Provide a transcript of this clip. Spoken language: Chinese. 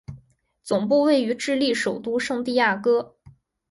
总部位于智利首都圣地亚哥。